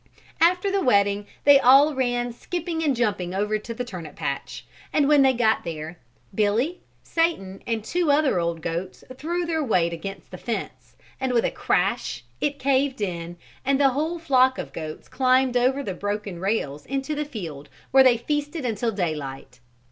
After the wedding they all ran skipping and jumping over to the turnip patch and when they got there Billy, Satan and two other old goats threw their weight against the fence and with a crash it caved in and the whole flock of goats climbed over the broken rails into the field where they feasted until daylight.